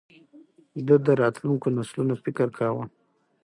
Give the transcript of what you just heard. ده د راتلونکو نسلونو فکر کاوه.